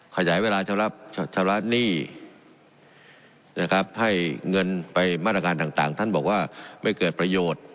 ขยายเวลาชำระหนี้นะครับให้เงินไปมาตรการต่างท่านบอกว่าไม่เกิดประโยชน์